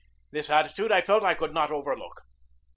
This atti tude I felt I could not overlook.